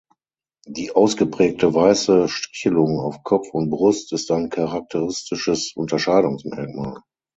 Die ausgeprägte weiße Strichelung auf Kopf und Brust ist ein charakteristisches Unterscheidungsmerkmal.